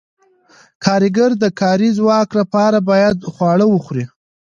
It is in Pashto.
کارګر د کاري ځواک لپاره باید خواړه وخوري.